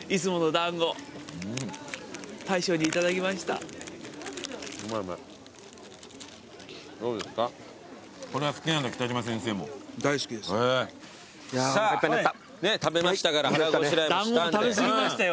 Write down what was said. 団子食べ過ぎましたよ。